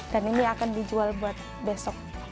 dan ini akan dijual buat besok